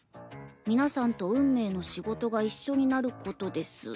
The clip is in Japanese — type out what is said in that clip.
皆さんと運命の仕事が一緒になることです。